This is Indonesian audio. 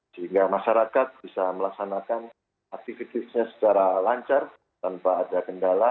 sehingga masyarakat bisa melaksanakan aktivitasnya secara lancar tanpa ada kendala